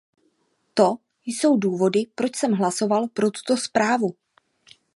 To jsou důvody, proč jsem hlasoval pro tuto zprávu.